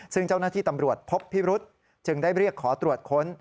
ซึ่งเจ้าหน้าที่ตำรวจพบพิรุษจึงได้เรียกขอตรวจค้น